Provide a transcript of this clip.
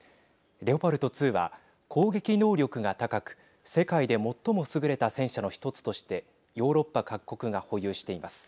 レオパルト２は攻撃能力が高く世界で最も優れた戦車の１つとしてヨーロッパ各国が保有しています。